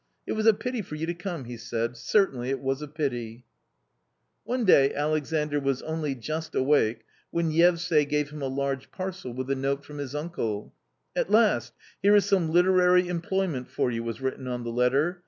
It was a pity for you to come !" he said ;" certainly, it was a pity 1 " One day Alexandr was only just awake when Yevsay gave him a large parcel with a note from his uncle. " At last here is some literary employment for you," was written on the letter.